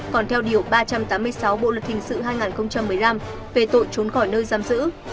còn theo điều ba trăm tám mươi sáu bộ luật hình sự hai nghìn một mươi năm về tội trốn khỏi nơi giam giữ